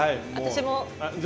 私も。